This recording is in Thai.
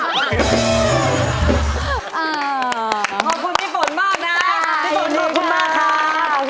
ขอบคุณพี่ฝนมากนะพี่ฝนขอบคุณมากค่ะ